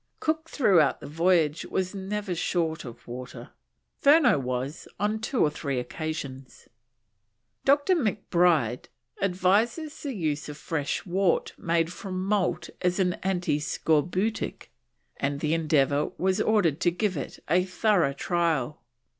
Cook throughout the voyage was never short of water; Furneaux was on two or three occasions. Dr. McBride advised the use of fresh wort made from malt as an anti scorbutic, and the Endeavour was ordered to give it a thorough trial.